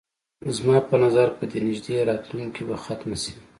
زما په نظر په دې نږدې راتلونکي کې به ختمه شي.